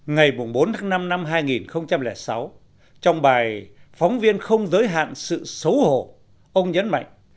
ngày bốn tháng năm năm hai nghìn sáu trong bài phóng viên không giới hạn sự xấu hộ ông nhấn mạnh